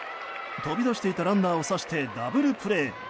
飛び出していたランナーを刺してダブルプレー。